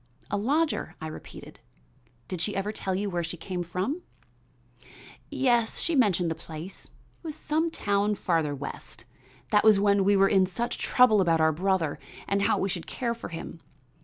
"A lodger?" I repeated. "Did she ever tell you where she came from?" "Yes, she mentioned the place, it was some town farther west. That was when we were in such trouble about our brother and how we should care for him.